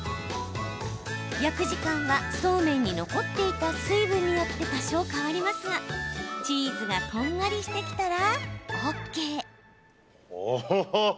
焼く時間はそうめんに残っていた水分によって多少変わりますがチーズがこんがりしてきたらＯＫ。